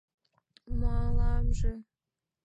— Мыламже...